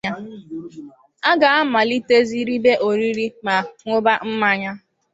A ga-amalitezị ribe oriri ma ñụba mmanya